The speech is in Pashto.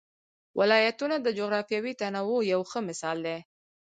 ولایتونه د جغرافیوي تنوع یو ښه مثال دی.